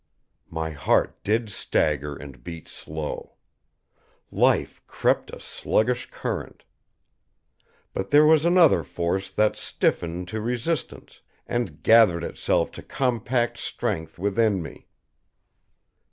My heart did stagger and beat slow. Life crept a sluggish current. But there was another force that stiffened to resistance, and gathered itself to compact strength within me.